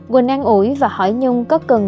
quỳnh an ủi và hỏi nhung có cần quỳnh